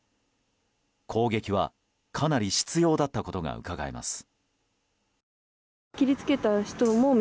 攻撃は、かなり執拗だったことがうかがえます。